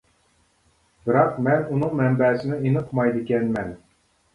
بىراق، مەن ئۇنىڭ مەنبەسىنى ئېنىق ئۇقمايدىكەنمەن.